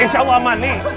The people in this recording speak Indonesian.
insya allah aman nih